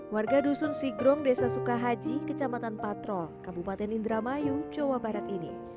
warga dusun sigrong desa sukahaji kecamatan patrol kabupaten indramayu jawa barat ini